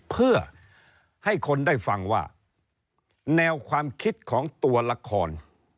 เพื่อให้คนได้ฟังว่าแนวความคิดของตัวละคร